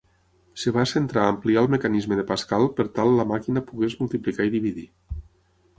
Es va centrar a ampliar el mecanisme de Pascal per tal la màquina pogués multiplicar i dividir.